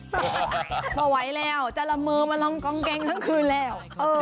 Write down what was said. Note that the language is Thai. ไม่ไหวแล้วจะละมือมาลองกองเกงทั้งคืนแล้ว